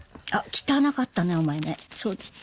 汚かったねお前。